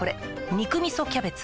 「肉みそキャベツ」